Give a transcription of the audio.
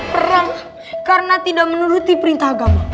perang karena tidak menuruti perintah agama